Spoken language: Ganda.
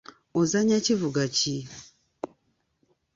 Ozannya kivuga ki?